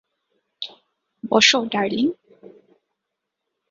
বসো, ডার্লিং।